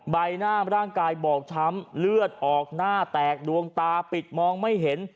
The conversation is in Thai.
ใบหน้าร่างกายบอบช้ำเลือดออกหน้าแตกดวงตาปิดมองไม่เห็น